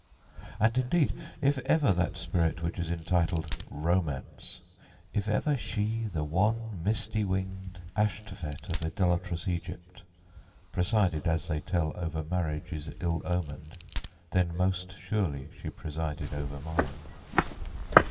And, indeed, if ever that spirit which is entitled Romance if ever she, the wan misty winged Ashtophet of idolatrous Egypt, presided, as they tell, over marriages ill omened, then most surely she presided over mine.